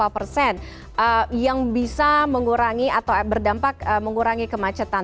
lima persen yang bisa mengurangi atau berdampak mengurangi kemacetan